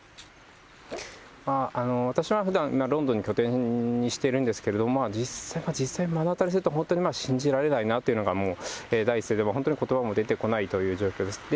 私はふだん、ロンドンを拠点にしているんですけれども、実際、目の当たりにすると、本当に信じられないなというのがもう第一声で、本当にことばも出てこないという状況です。